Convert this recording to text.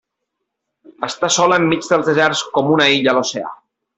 Està sola enmig dels deserts com una illa a l'oceà.